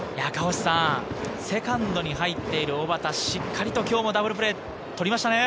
セカンドに入っている小幡、しっかりと今日もダブルプレー取りましたね。